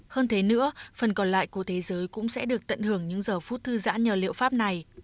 hơn thế nữa phần còn lại của thế giới cũng sẽ được tận hưởng những giờ phút thư giãn nhờ liệu pháp này